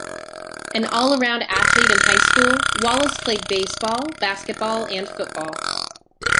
An all-around athlete in high school, Wallace played baseball, basketball and football.